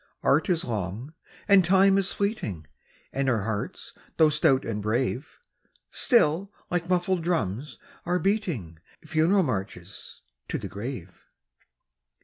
Art is long, and Time is fleeting, And our hearts, though stout and brave, Still, like muffled drums, are beating Funeral marches to the grave.